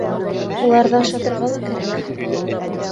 Уларҙы ашатырға ла кәрәк